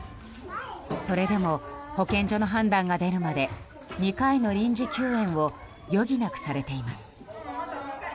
それでも保健所の判断が出るまで２回の臨時休園を余儀なくされています。